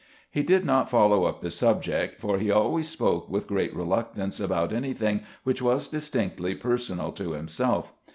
He did not foUow up the subject, for he always spoke with great reluctance about anything which was distinctly per sonal to himself.